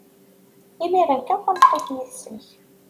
Imiren kan tameṭṭut-nni teslek.